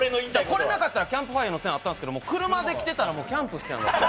これなかったらキャンプファイヤーの線あったんですけど車で来てたからキャンプ。